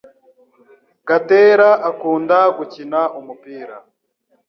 Gatera akunda gukina umupira